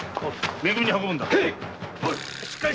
め組に運ぶんだ。